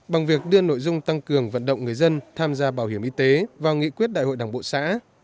bằng việc đưa nội dung tăng cường vận động người dân tham gia bảo hiểm y tế vào nghị quyết đại hội đảng bộ xã